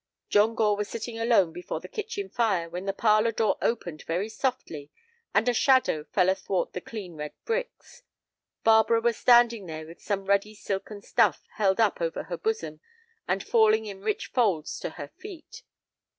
John Gore was sitting alone before the kitchen fire when the parlor door opened very softly and a shadow fell athwart the clean red bricks. Barbara was standing there with some ruddy silken stuff held up over her bosom and falling in rich folds to her feet.